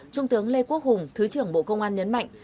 trung tướng lê quốc hùng thứ trưởng bộ công an nhấn mạnh